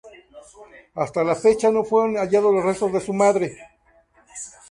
Hasta el momento no fueron hallados los restos de su madre.